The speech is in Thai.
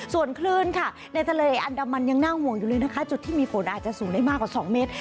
ส่วนคลื่นค่ะในทะเลอันดามันยังน่าห่วงอยู่เลยนะคะจุดที่มีฝนอาจจะสูงได้มากกว่า๒เมตร